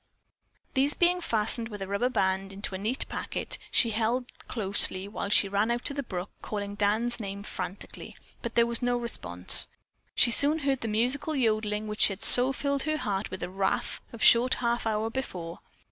These being fastened with a rubber band into a neat packet, she held closely while she ran out to the brook calling Dan's name frantically, but there was no response. Soon she heard the musical yodeling which had so filled her heart with wrath a short half hour before.